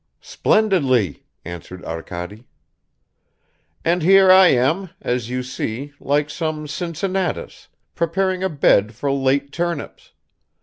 "Splendidly," answered Arkady. "And here I am, as you see, like some Cincinnatus, preparing a bed for late turnips.